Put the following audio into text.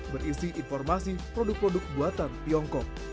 berisi informasi produk produk buatan tiongkok